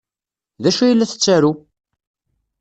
D acu ay la tettaru?